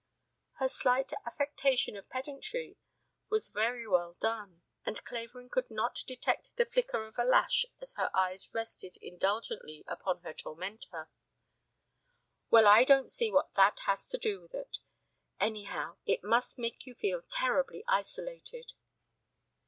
Her slight affectation of pedantry was very well done and Clavering could not detect the flicker of a lash as her eyes rested indulgently upon her tormentor. "Well, I don't see what that has to do with it. Anyhow, it must make you feel terribly isolated."